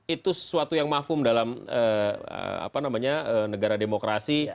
itu sesuatu yang mafum dalam apa namanya negara demokrasi